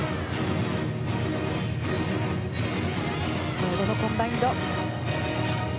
最後のコンバインド。